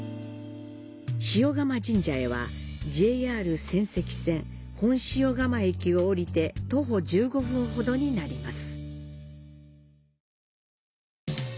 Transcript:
鹽竈神社へは、ＪＲ仙石線本塩釜駅を降りて徒歩１５分ほどになります。